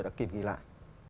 đã kịp ghi lại